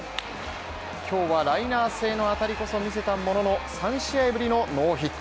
今日はライナー性の当たりこそ見せたものの、３試合ぶりのノーヒット